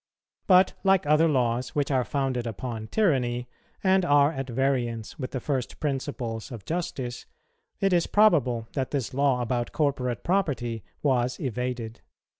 But, like other laws which are founded upon tyranny, and are at variance with the first principles of justice, it is probable that this law about corporate property was evaded.